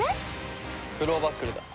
クローバックルだ。